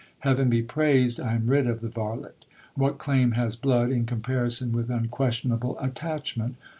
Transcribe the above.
Heaven be praised, I am rid of the varlet. What claim has blood, in comparison with unquestionable attachment